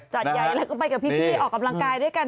ใหญ่แล้วก็ไปกับพี่ออกกำลังกายด้วยกัน